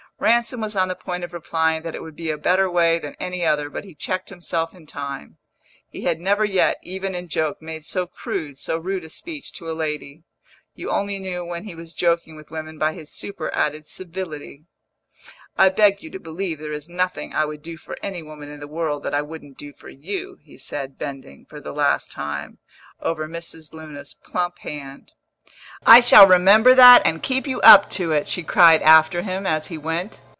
Ransom was on the point of replying that it would be a better way than any other, but he checked himself in time; he had never yet, even in joke, made so crude, so rude a speech to a lady. You only knew when he was joking with women by his super added civility. "I beg you to believe there is nothing I would do for any woman in the world that I wouldn't do for you," he said, bending, for the last time, over Mrs. Luna's plump hand. "I shall remember that and keep you up to it!" she cried after him, as he went.